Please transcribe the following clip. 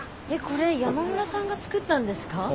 えっこれ山村さんが作ったんですか？